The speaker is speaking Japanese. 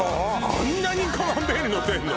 あんなにカマンベールのせんの？